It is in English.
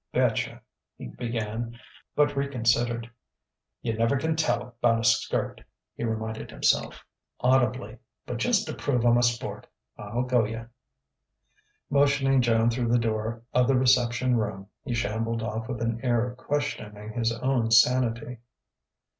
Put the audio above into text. "Betcha " he began; but reconsidered. "Yuh never can tell 'bout a skirt," he reminded himself audibly. "But, jus' to prove I'm a sport, I'll go yuh." Motioning Joan through the door of the reception room, he shambled off with an air of questioning his own sanity.